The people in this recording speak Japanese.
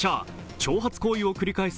挑発行為を繰り返す